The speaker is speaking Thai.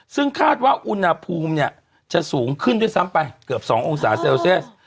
ซึ่งคาดว่าอุณหภูมิเนี่ยจะสูงขึ้นด้วยซ้ำไปเกือบ๒องศาเซลเซียส